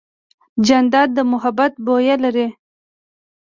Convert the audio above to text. جانداد د محبت بویه لري.